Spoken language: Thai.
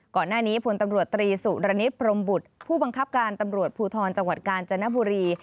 ก่อนหน้านี้พลตำรวจตรีสุรณิตพรมบุตรผู้บังคับการตำรวจภูทรจังหวัดกาญจนบุรี